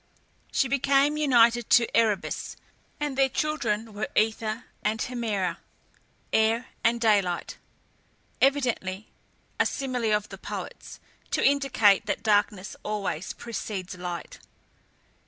She became united to Erebus, and their children were Aether and Hemera (Air and Daylight), evidently a simile of the poets, to indicate that darkness always precedes light.